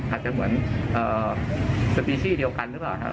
อาจจะเหมือนสปีซี่เดียวกันหรือเปล่าครับ